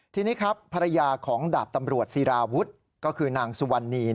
ทีนี้ครับภรรยาของดาบตำรวจศิราวุฒิก็คือนางสุวรรณี